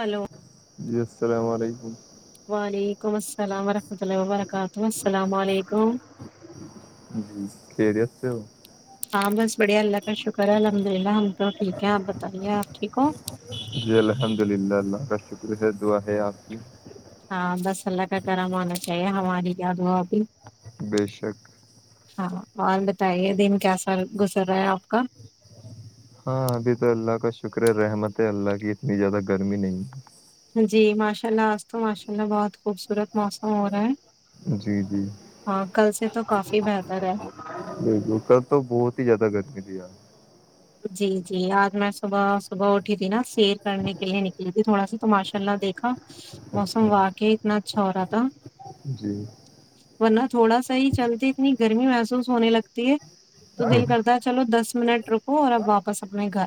Hello جی السلام علیکم [unintelligible] وعلیکم السلام ورحمہ و برکاتہ السلام علیکم ج [unintelligible] ہاں بس بڑھیا اللہ کا شکر ہے الحمد للہ ہم تو ٹھیک ہیں آپ بتائیے آپ ٹھیک ہو دعا ہے اوکی [unintelligible] ہاں بس اللہ کا کرم آنا چاہیے ہماری یاد ہو ابھی بے شک ہاں اورج بتائیے دن کیا سال گزر رہا ہے آپ کا ہاں ابھی تو اللہ کا شکر رحمت ہے اللہ کی اتنی زیادہ گرمی نہیں ہے جی ماشاء اللہ آج تو ماشاء اللہ بہت خوبصورت موسم ہو رہا ہے جی جی ہاں کل سے تو کافی بہتر ہے بالکل کل تو بہت ہی زیادہ گرمی تھی یار جی جی آج میں صبح صبح اٹھی تھی نا سیر کرنے کے لیے نکلی تھی تھوڑا سا تو ماشاء اللہ دیکھا اچھا موسم واقعی اتنا اچھا ہو رہا تھا جی ورنہ تھوڑا سا ہی چلتے اتنی گرمی محسوس ہونے لگتی ہے تو دل کرد چلو دس منٹ ر ہو رہا واپس اپنے گھر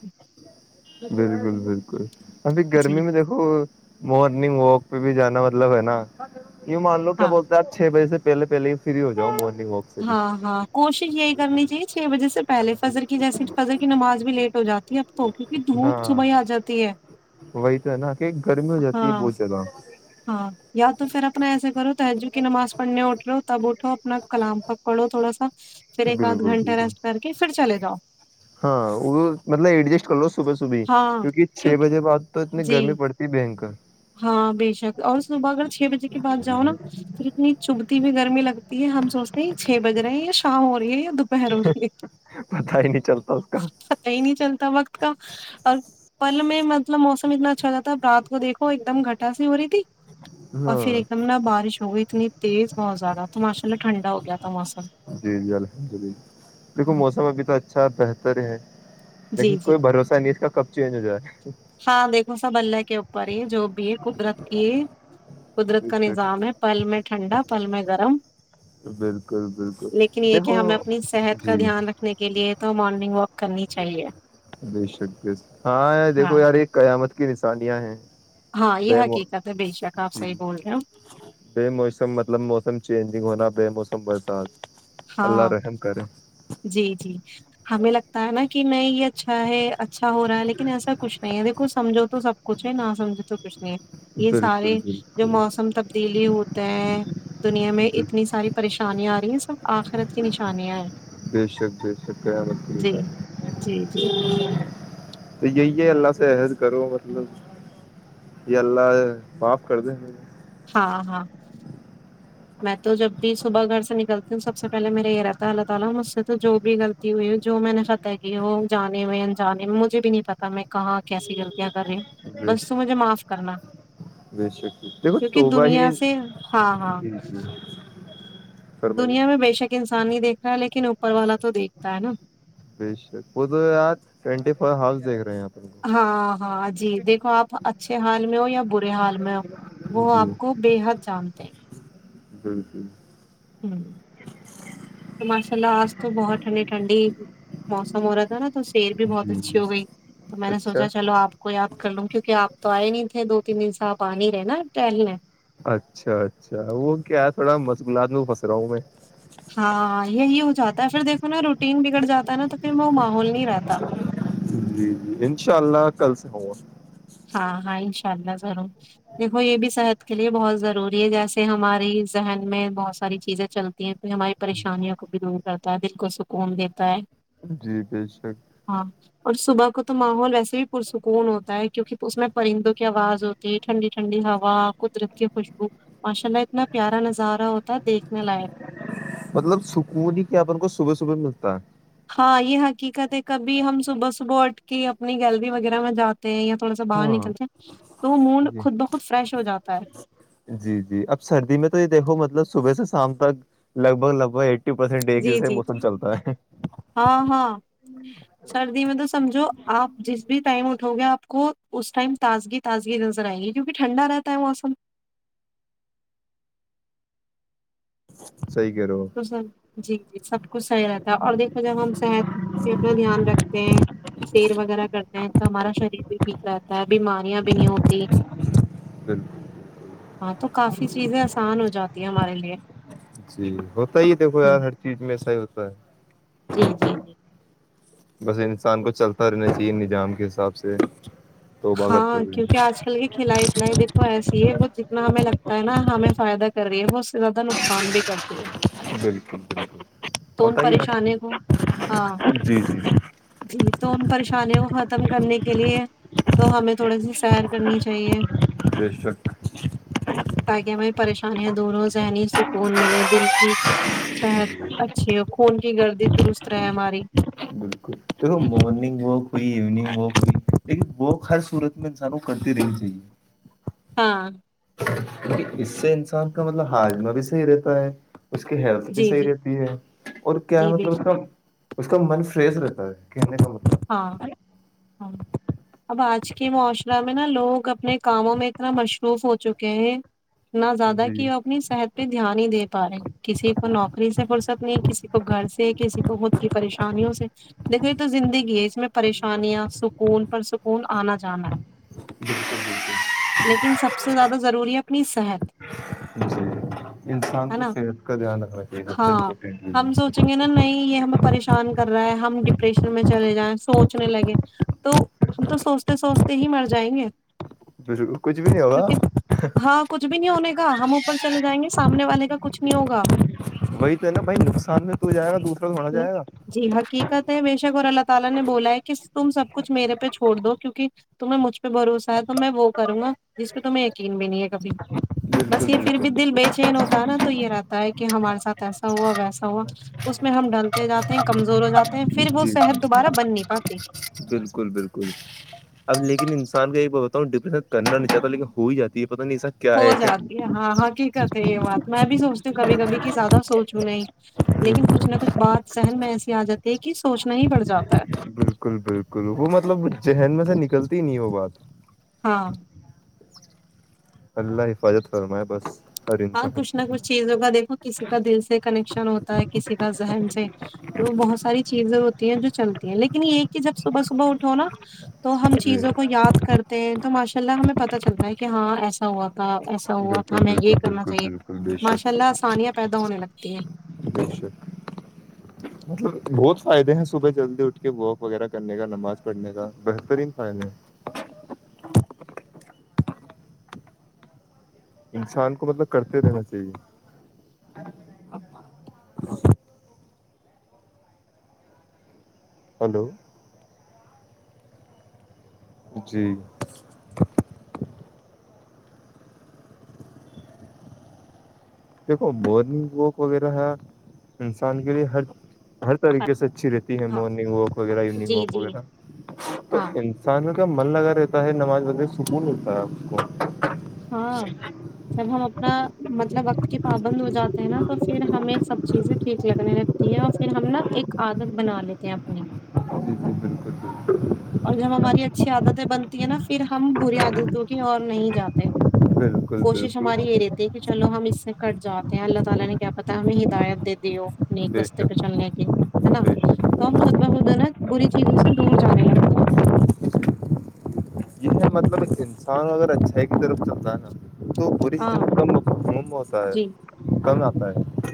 بالکل بالکل ابھی جی گرمی میں دیکھو مارننگ واک بھی جانا مطلب ہے نا یوں مان لو کیا ہاں بولتے آپ چھ بجے سے پہل پہلے فری ہو جاؤ مج ہاں ہاں کوشش یہی کرنی چاہیے چھ بجے سے پہلے فجر کی جیسیے فجر کی نماز بھی لیٹ ہو جاتی ہے اب تو کیونکہ دھوپ ہاں صبح ہی آ جاتی ہے وہی تو ہے نا کہ گرمی ہو جاتی ہے ہاں بہت زیادہ ہاں یا تو پھر اپنا ایسا کرو تج کی نماز پڑھنے اٹھو تب اٹھو اپنا کلام پکڑو تھوڑا سا پھر ایک آدھ گھنٹے ریسٹ کر کے پھر چلے جاؤ ہاں مطلب ایڈجسٹ کرو صبح صبح کیونکہ چھ بجے بعد تو اتنی جی گرمی پڑتی بنکر ہاں بے شک اور اسبگر چھ بجے کے بعد جاؤ نا پھر اتنی چبھتی بھیئی گرمی لگتی ہے ہم سوچتے ہیں چھ بج رہے ہیں یا شام ہو رہی ہے یا دوپہر ہو رہی ہے پتا ہی نہیں چلتا اس کا پتہ ہی نہیں چلتا وقت کا اور پل میں مطلب موسم اتنا اچھا ہو جاتا ہےب رات کو دیکھ وہ ایک دم گھٹاس نہیں ہو رہی تھی اور پھر ایک دم ہاں نا بارش تو وہ اتنی تیز بہت زیادہ تو ماشاء اللہ ٹھنڈا ہو گیا تھا موسم جی جی الحمد دیکھو ہاں موسم ابھیتھ اچھا بہتر ہے [unintelligible] لیکن جی جی کوئی بھروسہ نہیں اس کا کب چینج ہو جائےا ہے ہاں دیکھو سب اللہ کے اوپر یہ جو بھی ہے قدرت کی قدرت بے کا شک نظام ہے پہللمٹ ٹھنڈا پل میں گرم بالکل بالکل لیکن یہ کہ دیکھو ہمیں اپنی صحت کا جی دھیان رکھنے کے لیے تو مارننگ واک کرنی چاہیے بے شک [inaudible] ہاں دیکھو یار یہ قیامت کی نشانیاں ہیں ہاں یہ حقیقت ہے بے شک آپ صحیح بول رہے ہو بے موسم مطلب موسم چینجنگ ہونا بے موسم [unintelligible] اللہ ہاں رحم کرے جی جی ہمیں لگتا ہے نا کہ نہیں یہ اچھا ہے اچھا ہو رہا ہے لیکن ایسا کچھ نہیں ہے دیکھو سمجھو تو سب کچھ ہے نہ سمجھو تو کچھ نہیں ہے یہ بالکل سارے جو بالکل موسم تک تبدیلی ہوتے ہیں دنیا میں اتنی ساری پریشانیاں آ رہی ہیں سب آخرت کی نشانیاں ہیں بے شک بے شک جی جی جی یہی یہ اللہ سے عہد کرو مطلب یہ اللہ معاف کر دے ہاں ہاں میں تو جب بھی صبح گھر سے نکلتی ہوں سب سے پہلے میرے یہ رہتا ہے اللہ تعالی مجھ سے تو جو بھی غلطی ہوئی ہو جو میں نے ختح کی وہ جانے ہوئے انجانے میں مجھے بھی نہیں پتا میں کہاں کیسی غلطیاں کر رہی ہوں بے بس تو شک مجھے معاف کرنا بے شک دیکھو کیونکہ توبہ ہی دنیا [inaudible] سے ہاں ہاں فرمائیے دنیا میں بےشک انسانی دیکھ لیکن اوپر والا تو دیکھتا ہے نا بشک وہ تو ٹوینٹی فور ہاؤس دیکھ رہے ہیں آپ ہاں ہاں جی دیکھو آپ اچھے حال میں ہو یا برے حال میں ہو وہ جی آپ کو بےحد جانتے ہیں جی جی ہ تو ماشاء اللہ آج تو بہت ٹھنڈی ٹھنڈی موسم ہو رہا تھا نا تو سیر بھی بہت جی اچھی ہو گئی تو میں نے اچھا سوچا چلو آپ کو یا کر لوں کیونک آ تو آئے نہیں تھے دو تین دن سے آ نہیں رہے نا ٹہلنے۔۔ اچھا اچھا وہ کیا ہے تھوڑا مشغلات میں پھنس رہا ہوں میں ہاں یہی ہو جاتا ہے پھر دیکھو نا روٹین بگڑ جاتا ہے نا تو پھر میں وہ ماحول نہیں رہتا انشاء اللہ کل سے ہوا ہاں ہاں انشاء اللہ ضرور دیکھو یہ بھی صحت کے لیے بہت ضروری ہے جیسے ہماری ذہن میں بہت ساری چیزیں چلتی ہیں پ ہماری پریشانیوں کو بھی دور کرتا ہے دل کو سکون دیتا ہے جی بے شک [unintelligible] ہاں اور صبح کو تو ماحول ویسے بھی پرسکون ہوتا ہے کیونکہ اس میں پرندوں کی آواز ہوتی ہے ٹھنڈی ٹھنڈی ہوا قدرت کی خوشبو ماشاء اللہ اتنا پیارا نظارہ ہوتا دیکھنے لائق مطلب سکون ہی کیا اپن کو صبح صبح ملتا ہے ہاں یہ حقیقت ہے کبھی ہم صبح صبح اٹھ کے اپنی گیلری وغیرہ میں جاتے ہیں یا تھوڑا سا ہے باہر ہاں نکلتے ہیں تو موڈ جی خود بخود فریش ہو جاتا ہے جی جی اب سردی میں تو یہ دیکھو مطلب صبح سے شام تک لگ بھگ لگ بھگ ای ف پرسینٹ ایک جی جیسا جی جی موسم چلتا ہے ہاں ہاں سردی میں تو سمجھو آپ جس بھی ٹائم اٹھو گے آپ کو اس ٹائم تازگی تازگی نظر آئیں گی کیونکہ ٹھنڈا رہتا ہے موسم صحیح کہہ رہے ہو تو س جی جی سب کچ صحیح رہتا ہے اور دیکھو جب ہم صحت پہ اپنا دھیان رکھتے ہیں سیر وغیرہ کرتے ہیں تو ہمارا شریر بھی ٹھیک رہتا ہے بیماریاں بھی نہیں ہوتی بالکل ہاں تو کافی چیزیں آسان ہو جاتی ہیں ہمارے لیے جی ہوتا ہی دیکھو ہ یار ہر چیز میں ایسا ہی ہوتا ہے جی جی جی بس انسان کو چلتا رہنا چاہیے ن جام کے حساب سے توبہ ہاں کرتے کیونکہ ہوئے آج کل کی کھلائی پلائی دیکھو ایسے وہ جتنا ہمیں لگتا ہے نا ہمیں فائدہ کر رہی ہے وہ اس سے زیادہ نقصان بھی کرتی ہے بالکل بالکل [unintelligible] تو ان ہوتا ہی ہے پریشانی کو ہاں جی جی جی تو ان پریشانیوں کو ختم کرنے کے لیے تو ہمیں تھوڑے سی سیر کرنی چاہیے ٹشٹ [unintelligible] تاکہ ہمیں پریشانیاں دونوں ذہنی سکون ملے دل کی صحت ا اچ اور خون کی گردی درست رہے ہماری دیکو مارننگ واک ہوئی ایوننگ واک ہوئی لیکن واک ہر صورت میں انسان کو کرتی رہنی چاہیے ہاں کیکہ اس سے انسان کا مطلب ہاجمہ بھی صحیح رہتا ہے اس کی ہیلتھ بھی جی صحیح جی رہتی ہے اور کیا جی ہے بے مطلب اس شک کا اس کا من فریش رہتا ہے کہنے کا من ہاں ہاں اب آج کے معاشرہ میں نا لوگ اپنے کاموں میں اتنا مصروف ہو چکے ہیں نہ زیادہ جی کہ وہ اپنی صحت دھیان ہی د پا رہے کسی کو نوکری سے فرصت نہیں کسی کو گھر سے کسی کو خود کی پریشانیوں سے دیکھو یہ تو زندگی اس میں پریشانیاں سکون پرسکون آنا جانا ہے بالکل لیکن سب سے زیادہ ضروری ہے اپنی صحت بالکل جی انسان ہے کو نا صحت کا دھیان رکھنا چاہیے سب سے ہاں امپورٹینٹ شان کر رہا ہے ہم ڈپریشن میں چلے جائیں سوچنے لگے تو ہم تو سوچتے سوچتے ہی مر جائیں گے ب کچھ بھی نہیں ہوگا کیونکہ ہاں کچھ بھی نہیں ہونے کا ہم اوپر چلے جائیں گے سامنے والے کا کھ نہیں ہوگا وہی تو ہے نا بھائی نقصان میں تو جائے گا دوسرا تووڑا جائے گا بیشگور الا تعالی نے بولا ہے کہ تم سب کچھ میرے پہ چھوڑ دو کیوںک تمہیں مجھ پہ بھروسہ ہے تو میں وہ کروں گا جس پہ تمہیں یقین بھی نہیں ہے کبھی بس بالکل یہ پھر بھی بالکل دل بے چین ہوتا ہے نا تو یہ رہتا ہے کہ ہمارے ساتھ ایسا ہوا ویسا ہوا اس میں ہم ڈھلتے جاتے ہیں کمزور ہو جاتے پھر وہ جی جی شہد [unintelligible] بالکل بالکل اب ل انسان کا یہ بتا ہوں ڈپرین کرنا نہیں چاہتا لیکن ہو ہی جاتی ہے پت نہیں سک کیا ہے ہو جاتی ہے ہاں کہ [unintelligible] حقیقت میں بھی سوچتی ہوں کبھی کبھی کہ زیادہ سوچ ہوں نہیں لیکن ہے کچھ نہ کچھ بات سہن میں ایسی ا جاتی ہے کہ سوچنا ہی پڑ جاتا بالکل بالکل وہ مطلب ذہن میں سے نکلتی نہیں وہ بات ہاں اللہ حفاظت فرمائے بس ہر ہاں انسان کچھ کی۔ نہ کچھ چیزوں کا دیکھو کسی کا دل سے کنکشن ہوتا ہے کسی کا تو بہت ساری چیزیں ہوتی ہیں جو چلتی ہیں لیکن یہ کہ جب صبح صبح اٹھو نا تو ہم جی چیزوں کو یاد کرتے ہیں تو ماشاء اللہ ہمیں پتا چلتا ہے کہ ہاں ایسا ہوا تھا ایسا ہوا تھا بالکل میں بالکل یہ بالکل چاہیے بالکل بے شک ماشاء اللہ آسانیاں [inaudible] پیدا ہونے لگتی ہیں بے شک بہت فائدے ہیں صبح جلدی اٹھ کے واک وغیرہ کرنے کا نماز پڑھنے کا بہترین فائدے ہیں انسان کو مطلب کرتے رہنا چاہیے ہلو جی دیکھو بورنگ وک وغیرہ ہے انسان کے لیے ہر ہر طریقے سے اچھی رہتی ہے ہاں مارننگ واک وغیرہ ایوننگ جی واک جی وغیرہ تو ہاں انسان کا من لگا رہتا ہے نماز وغیرہ سکون ہوتا ہے اس کو ہاں جب ہم اپنا مطلب وقت کے پابند ہو جاتے ہیں نا تو پھر ہمیں سب چیزیں ٹھیک لگنے لگتی ہیں اور پھر ہم نا ایک عادت بنا لیتے ہیں اپنی جی جی بالکل بالکل اور جب ہماری اچھی عادتیں بنتی ہیں نا پھر ہم بری عادتوں کی اور نہیں جاتے بالکل کوشش ہماری بالکل یہ رہتی ہے کہ بے شک بے شک بے شک جی یہ ہے مطلب انسان اگر اچھا ہے ایک طرف چلتا ہے نا تو پ ہاں کموم ہوتا ہے کم بائے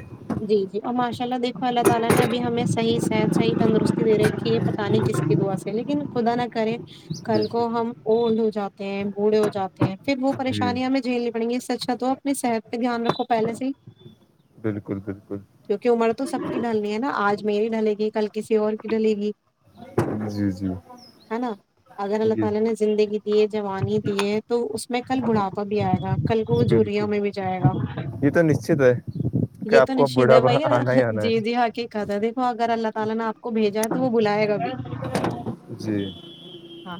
ماشاءاللہ اللہ تعالی نے ابھی ہمیں صحیح تندرستی دے رکھی ہے بتانے کی دعا سے لیکن خدا نہ کرے بے کل شک کوڑے ہو جاتے ہیں پھر وہ جی پریشانیاں میں جھیلنی پڑیں گی سچ کا تو اپنے شہر سے جہاں اپ کو پہلے سے بالکل بالکل کیونکہ ہمارا تو سب کی ہے نا اج میری ڈلے گی کل کسی اور ڈلے گی جی جی ہی نا اگر اللہ یہ تعالی نے زندگی دیے جوانی دیے تو اس میں کل بڑھاپہ بھی ایا تھا کل کو جھریوں بالکل میں بھی جائے گا یہ تو نشچت ہے کہ آپ کو بڑھاپا آنا ہی آنا ہے جی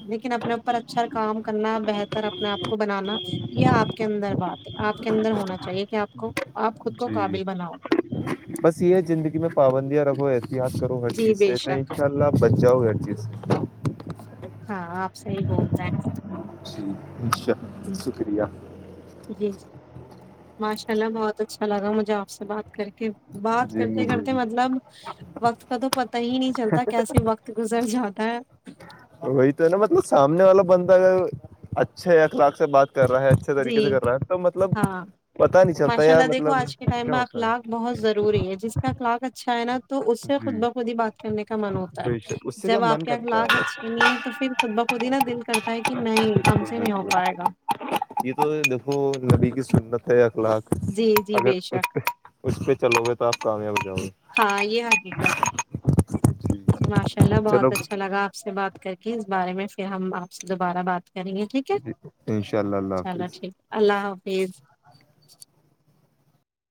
لیکن اپنے اوپر اچھا کام کرنا ہے اپنے آپ کو بنانا یہ آپ کے اندر بات ہے آپ کے اندر ہونا چاہیے کہ آپ کو آپ خود کو ج قابل بناؤ بس یہ ہے زندگی میں پابندیاں ر ہو د کرو ہر جی چیز سے بے ان شک شاء اللہ بچ جؤ ہر چیز سے ہاں آپ سےحی بولتے ہیں جی ا شاء ہم، شکریہ جی جی ماشاء اللہ بہت اچھا لگا مجھے آپ سے بات کر کے بات جی کرتے مجھے کرتے بھی مطلب وقت کا تو پتا ہی نہیں چلتا کیسے وقت گزر جاتا ہے وہی تو ہے نا مطلب سامنے والا بندہ اگر اچھے اخلاق سے بات کر رہا ہے اچھے طریقے سے جی کر رہا ہے تو مطلب ہاں پتا نہیں چلتا ماشاء یار اللہ دیکھو مطلب آج کے ٹائم کیا میں ہوتا اخلاق ہے بہت ضروری ہے جس کا اخلاق اچھا چائنا تو اس سے خود جی بہخودی بات کرنے کا من ہوتا بے ہے شک اس سے کیا جب آپ من کے کرتا اخلاق ہے اچھے نہیں ہے تو پھر خط بخودی نا دل کر ہے کہ نہیں ہم بالکل سے نہیں ہو بالکل پائے گا یہ تو دیکو لبی کی سنت ہے ک لاکھ جی جی اگر بے اس شک پہ اس پہ چلو گے تو آپ کامیاب جاؤ ہاں یہ حقیقہ ہے گے جی ماشاء اللہ چلو بہت اچھا لگا آپ سے بات کر کے اس بارے میں پھر ہم آپ سے دوبارہ بات کریں گے ٹھیک ہے ان شاء اللہ اللہ چلو حافظ ٹھیک اللہ حافظ جی